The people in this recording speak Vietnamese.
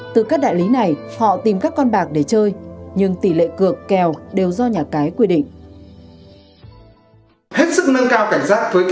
từ các đại lý này họ tìm các con bạc để chơi nhưng tỷ lệ cược kèo đều do nhà cái quy định